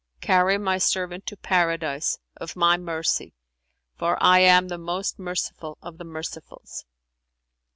Carry My servant to Paradise, of My mercy, for I am the most Merciful of the mercifuls!'"